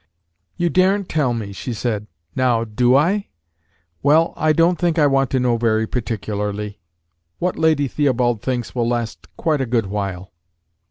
"You daren't tell me," she said. "Now, do I? Well, I don't think I want to know very particularly. What Lady Theobald thinks will last quite a good while.